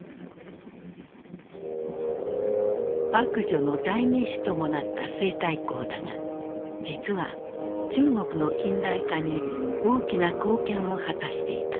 「悪女」の代名詞ともなった西太后だが実は中国の近代化に大きな貢献を果たしていた。